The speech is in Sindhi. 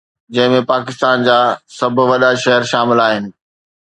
جنهن ۾ پاڪستان جا سڀ وڏا شهر شامل آهن